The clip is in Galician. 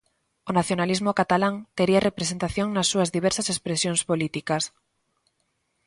O nacionalismo catalán tería representación nas súas diversas expresións políticas.